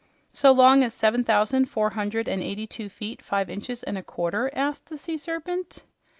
"So long as seven thousand four hundred and eighty two feet, five inches and a quarter?" asked the Sea Serpent.